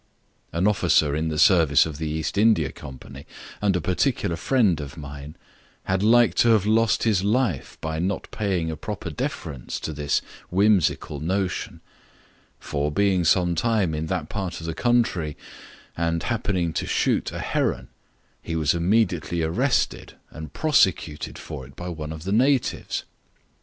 An officer in the service of the Eastindia Company, and a particular friend of mine, had like to have lost his life by not paying a proper deference to this whimsical notion; for being some time in that part of the country, and happening to shoot a heron, he was immediately arrested and prosecuted for it by one of the natives.